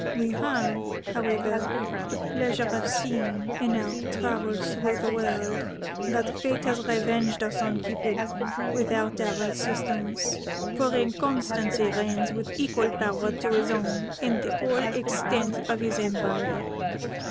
We have, however, the pleasure of seeing, in our travels through the world, that fate has revenged us on Cupid without our assistance; for Inconstancy reigns with equal power to his own in the whole extent of his empire.